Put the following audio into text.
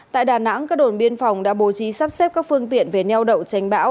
tại đà nẵng các đồn biên phòng đã bố trí sắp xếp các phương tiện về neo đậu tránh bão